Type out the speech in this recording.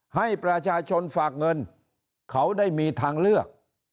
ให้ประชาชนฝากเงินเขาได้มีทางเลือก